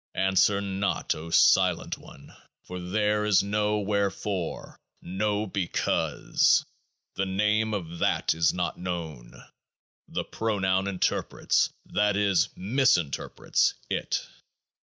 Answer not, O silent one ! For THERE is no 'wherefore no ' because.' The name of THAT is not known ; the Pro noun interprets, that is , misinterprets, It.